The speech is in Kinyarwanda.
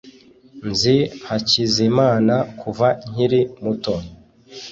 nzi hakizimana kuva nkiri muto